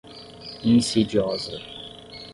insidiosa